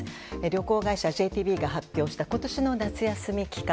旅行会社ＪＴＢが発表した今年の夏休み期間